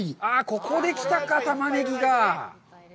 ここで来たか、タマネギが。